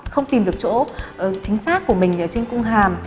không tìm được chỗ chính xác của mình ở trên cung hàm